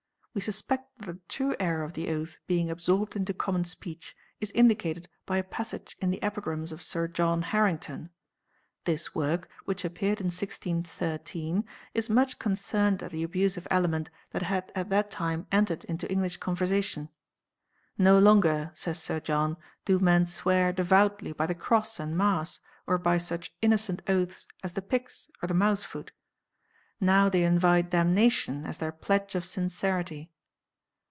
We suspect that the true era of the oath being absorbed into common speech is indicated by a passage in the epigrams of Sir John Harrington. This work, which appeared in 1613, is much concerned at the abusive element that had at that time entered into English conversation. No longer, says Sir John, do men swear devoutly by the cross and mass, or by such innocent oaths as the pyx or the mousefoot. Now they invite damnation as their pledge of sincerity.